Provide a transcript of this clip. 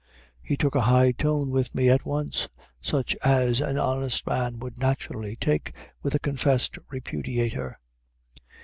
He took a high tone with me at once, such as an honest man would naturally take with a confessed repudiator.